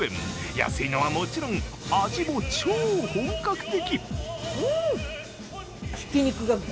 安いのはもちろん、味も超本格的。